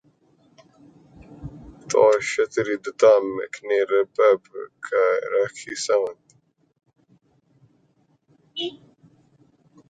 تنوشری دتہ نے میرا ریپ کیا راکھی ساونت